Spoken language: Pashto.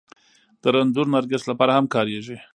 د رنځور نرګس لپاره هم کارېږي